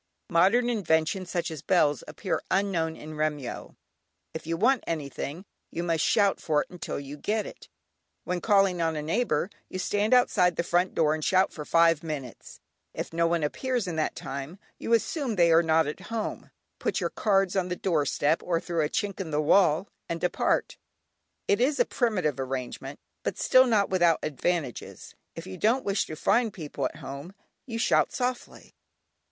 Modern inventions such as bells appear unknown in Remyo. If you want anything you must shout for it until you get it. When calling on a neighbour you stand outside the front door, and shout for five minutes, if no one appears in that time, you assume they are not at home, put your cards on the doorstep or through a chink in the wall, and depart. It is a primitive arrangement, but still, not without advantages. If you don't wish to find people at home, you shout softly.